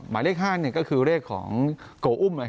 หมายเรียกห้านก็คือเรียกของโกอุ้ม